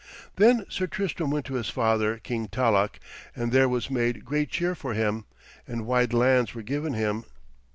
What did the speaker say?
Then Sir Tristram went to his father King Talloch, and there was made great cheer for him, and wide lands were given him.